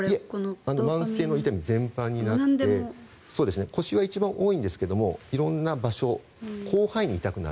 慢性の痛み全般にあって腰は一番多いんですが色んな場所、広範囲に痛くなる。